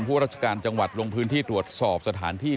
ราชการจังหวัดลงพื้นที่ตรวจสอบสถานที่